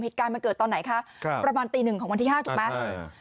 เหตุการณ์มันเกิดตอนไหนคะครับประมาณตีหนึ่งของวันที่ห้าถูกไหม